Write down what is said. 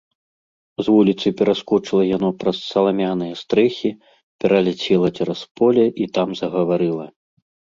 З вуліцы пераскочыла яно праз саламяныя стрэхі, пераляцела цераз поле і там загаварыла.